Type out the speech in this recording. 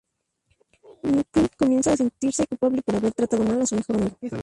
McQueen comienza a sentirse culpable por haber tratado mal a su mejor amigo.